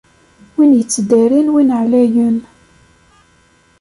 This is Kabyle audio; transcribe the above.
Win yettdarin win εlayen.